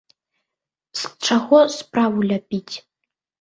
З чаго справу ляпіць?